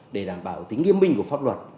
để đảm bảo tính nghiêm minh của pháp luật